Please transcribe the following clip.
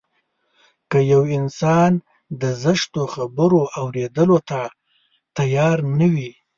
که يو انسان د زشتو خبرو اورېدو ته تيار نه وي.